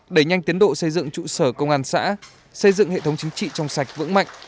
đẩy nhanh tiến độ xây dựng trụ sở công an xã xây dựng hệ thống chính trị trong sạch vững mạnh